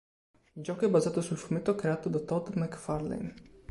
Il gioco è basato sul fumetto creato da Todd McFarlane.